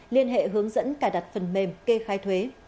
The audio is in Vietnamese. liên hệ hướng dẫn cài đặt phần mềm kê khai thuế